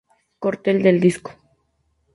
Corte del disco.